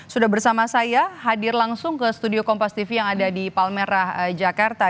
sudah bersama saya hadir langsung ke studio kompas tv yang ada di palmerah jakarta